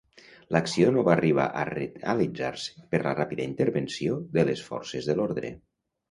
L'acció no va arribar a realitzar-se per la ràpida intervenció de les forces de l'ordre.